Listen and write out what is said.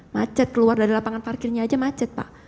macet keluar dari lapangan parkirnya aja macet pak